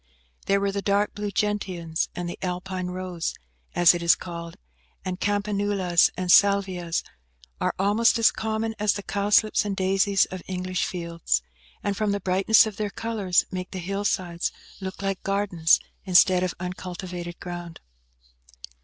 There were the dark blue gentians and the Alpine rose, † as it is called, and campanulas and salvias, are almost as common as the cowslips and daisies of English fields, and, from the brightness of their colours, make the hillsides look like gardens, instead of uncultivated ground.